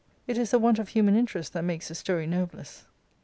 It is ^ the want of human interest that makes the story nerve less.